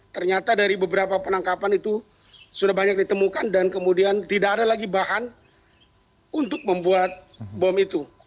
ternyata dari beberapa penangkapan itu sudah banyak ditemukan dan kemudian tidak ada lagi bahan untuk membuat bom itu